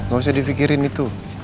gak usah di fikirin itu